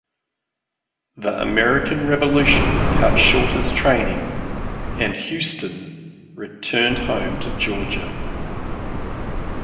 The American Revolution cut short his training, and Houstoun returned home to Georgia.